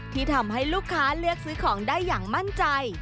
ที่ทำให้ลูกค้าเลือกซื้อของได้อย่างมั่นใจ